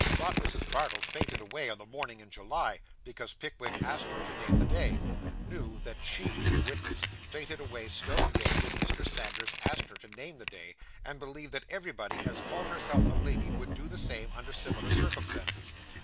Thought Mrs. Bardell fainted away on the morning in July, because Pickwick asked her to name the day: knew that she (witness) fainted away stone dead when Mr. Sanders asked her to name the day, and believed that everybody as called herself a lady would do the same, under similar circumstances.